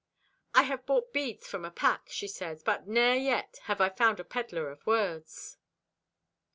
"I have bought beads from a pack," she says, "but ne'er yet have I found a peddler of words."